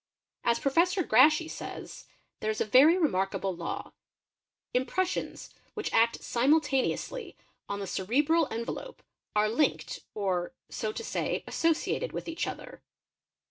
As Professor Grashey says: "there 1s a very remarkable law: impressions which act simultaneously on the cerebral envelope are linked or, so to say, associated with each other."